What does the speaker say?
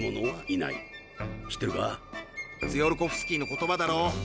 ツィオルコフスキーの言葉だろ。